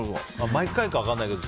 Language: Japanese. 毎回かは分からないけど。